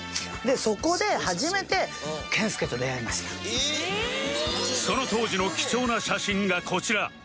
そこでその当時の貴重な写真がこちら